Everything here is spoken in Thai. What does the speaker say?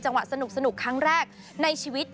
สนุกครั้งแรกในชีวิต